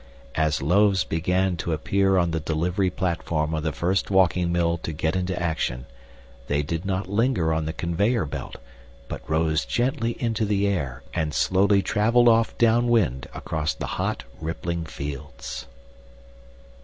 As loaves began to appear on the delivery platform of the first walking mill to get into action, they did not linger on the conveyor belt, but rose gently into the air and slowly traveled off down wind across the hot rippling fields.